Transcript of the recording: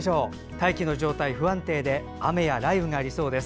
大気の状態が不安定で雨や雷雨がありそうです。